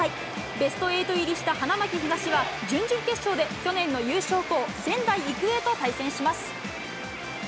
ベストエイト入りした花巻東は、準々決勝で去年の優勝校、仙台育英と対戦します。